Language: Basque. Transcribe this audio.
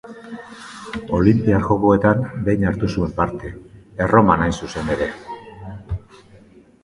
Olinpiar Jokoetan behin hartu zuen parte: Erroman hain zuzen ere.